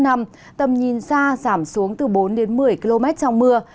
tầm nhìn ra giảm xuống từ bốn một mươi km trong mưa